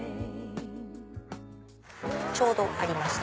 ちょうどありました。